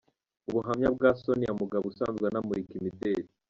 Ubuhamya bwa Sonia Mugabo usanzwe anamurika imideri.